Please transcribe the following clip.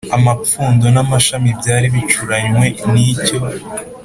Amapfundo n amashami byari bicuranywe n icyo